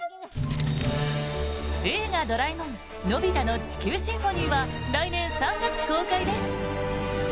「映画ドラえもんのび太の地球交響楽」は来年３月公開です。